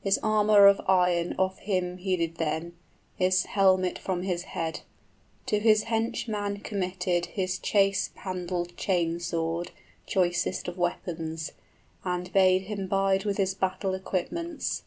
{He prepares for rest.} 10 His armor of iron off him he did then, His helmet from his head, to his henchman committed His chased handled chain sword, choicest of weapons, And bade him bide with his battle equipments.